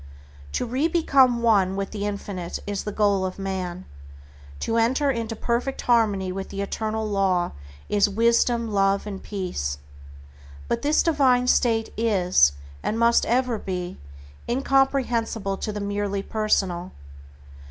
To re become one with the Infinite is the goal of man. To enter into perfect harmony with the Eternal Law is Wisdom, Love and Peace. But this divine state is, and must ever be, incomprehensible to the merely personal.